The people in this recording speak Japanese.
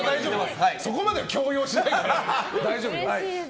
そこまで強要しないから大丈夫よ。